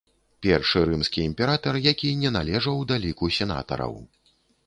Першы рымскі імператар, які не належаў да ліку сенатараў.